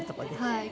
はい。